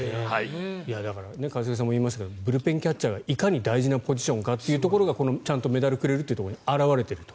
だから一茂さんも言いましたけどブルペンキャッチャーがいかに大事なポジションかというのがこの、ちゃんとメダルをくれるというところに表れてると。